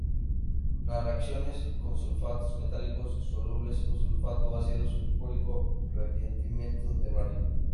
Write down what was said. Las reacciones con sulfatos metálicos solubles o sulfato ácido sulfúrico rendimiento de bario.